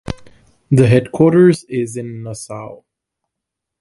The headquarters is in Nassau.